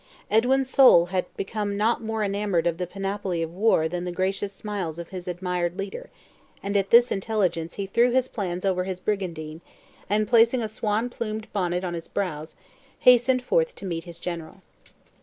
Edwin's soul had become not more enamoured of the panoply of war than the gracious smiles of his admired leader, and at this intelligence he threw his plans over his brigandine, and placing a swan plumed bonnet on his brows, hastened forth to meet his general.